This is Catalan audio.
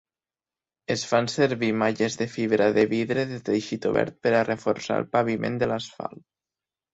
Es fan servir malles de fibra de vidre de teixit obert per a reforçar el paviment de l'asfalt.